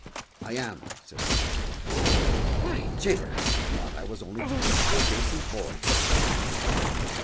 "I am," says Saint Kavin. "By Jabers, I thought I was only talking to a dacent boy," says the King.